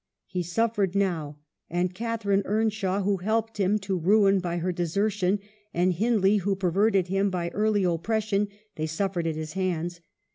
He suffered now : and Catharine Earnshaw who helped him to ruin by her desertion, and Hindley who perverted him by early oppression, they suffered at his hands.